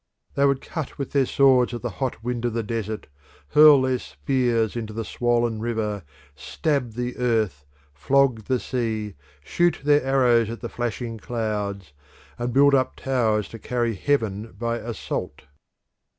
They would cut with their swords at the hot wind of the desert, hurl their spears into the swollen river, stab the earth, flog the sea, shoot their arrows at the flashing clouds, and build up towers to carry heaven by assault.